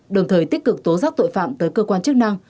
đồng thời tích cực tố giác tội phạm tới cơ quan chức năng